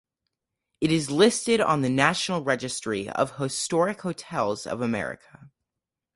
It is listed on the National Registry of the Historic Hotels of America.